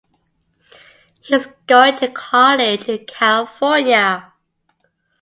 He is going to college in California.